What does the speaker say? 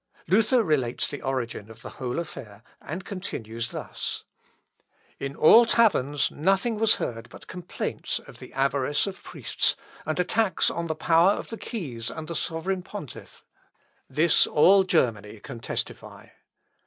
Luther relates the origin of the whole affair, and continues thus: "In all taverns, nothing was heard but complaints of the avarice of priests, and attacks on the power of the keys and the sovereign pontiff. This all Germany can testify.